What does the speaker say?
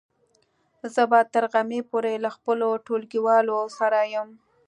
زه به تر غرمې پورې له خپلو ټولګیوالو سره يم.